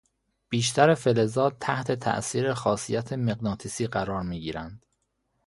بیشتر فلزات تحت تاثیر خاصیت مغناطیسی قرار میگیرند.